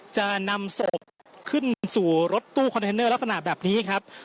จะนำศพขึ้นสู่รถตู้คอนเทนเนอร์ลักษณะแบบนี้ครับ